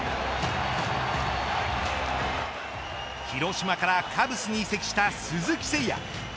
広島からカブスに移籍した鈴木誠也。